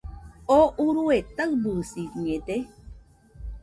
¿Oo urue taɨbɨsiñede?